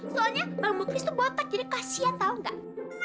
soalnya bang muglis tuh botak jadi kasian tau gak